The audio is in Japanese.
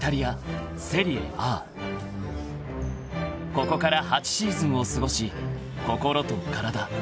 ［ここから８シーズンを過ごし心と体技術